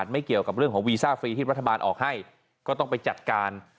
ไม่เกี่ยวกับเรื่องของวีซ่าฟรีที่รัฐบาลออกให้ก็ต้องไปจัดการ